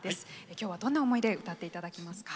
今日は、どんな思いで歌っていただけますか？